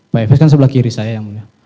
pak efes kan sebelah kiri saya yang mulia